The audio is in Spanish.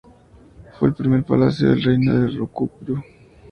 Fue el primer palacio del reino de Ryukyu.